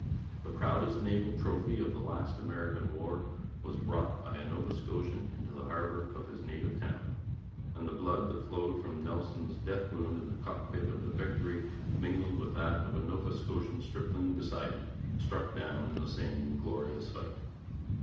The proudest naval trophy of the last American war was brought by a Nova Scotian into the harbour of his native town; and the blood that flowed from Nelson's death wound in the cockpit of the Victory mingled with that of a Nova Scotian stripling beside him, struck down in the same glorious fight.'